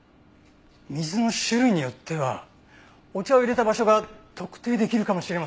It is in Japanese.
水の種類によってはお茶を淹れた場所が特定できるかもしれませんね。